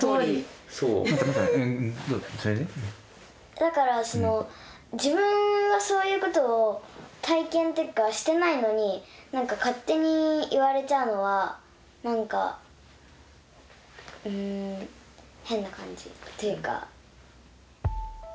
だからその自分はそういうことを体験っていうかしてないのに勝手に言われちゃうのはなんか変な感じっていうか。